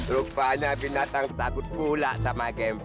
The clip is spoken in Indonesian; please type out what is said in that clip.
rupanya binatang takut pula sama game